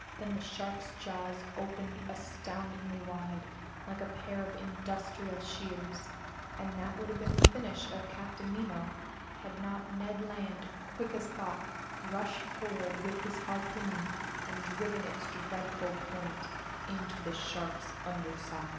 Then the shark's jaws opened astoundingly wide, like a pair of industrial shears, and that would have been the finish of Captain Nemo had not Ned Land, quick as thought, rushed forward with his harpoon and driven its dreadful point into the shark's underside.